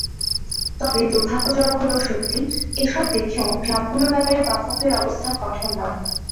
তবে দুর্ভাগ্যজনক হলেও সত্যি, এসব দেখেও ক্লাবগুলোর ব্যাপারে বাফুফের অবস্থান কঠোর নয়।